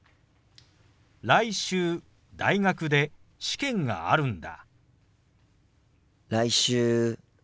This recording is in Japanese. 来週大学で試験があるんだ。